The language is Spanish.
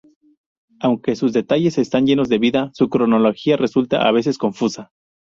Aunque sus detalles están llenos de vida, su cronología resulta a veces confusa.